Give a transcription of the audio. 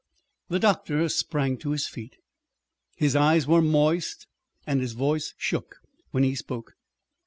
The doctor sprang to his feet. His eyes were moist and his voice shook when he spoke.